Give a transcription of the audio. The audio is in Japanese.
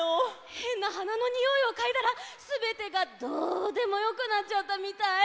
へんなはなのにおいをかいだらすべてがどうでもよくなっちゃったみたい。